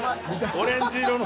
オレンジ色の。